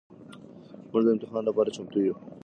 مونږ د امتحان لپاره چمتو يو.